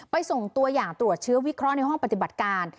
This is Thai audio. ส่งตัวอย่างตรวจเชื้อวิเคราะห์ในห้องปฏิบัติการ